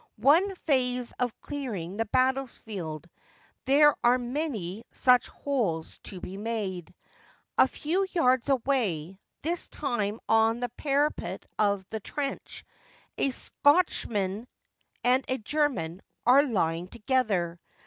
One phase of clearing the battlefield ; there are many such holes to be made. A few yards away — this time on the parapet of the trench — a Scotchman and a German are lying together.